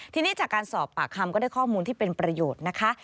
ทีนี้จากการสอบปากคำก็ได้ข้อมูลที่เป็นประโยชน์นะคะ